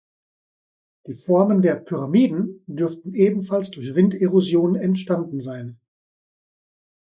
Die Formen der „Pyramiden“ dürften ebenfalls durch Winderosion entstanden sein.